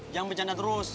jangan bercanda terus